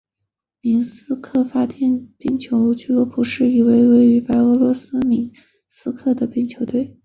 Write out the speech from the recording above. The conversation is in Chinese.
明斯克发电机冰球俱乐部是一支位于白俄罗斯明斯克的冰球队。